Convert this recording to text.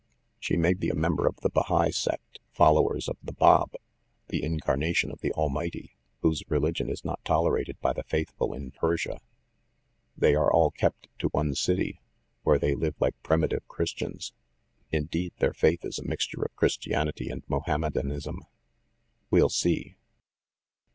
"She may be a member of the Bahai sect, followers of the Bab, the Incarnation of the Almighty, whose religion is not tolerated by the faithful in Persia. They are all kept to one city, where they live like primitive Christians; indeed, their faith is a mixture of Chris tianity and Mohammedanism. We'll see.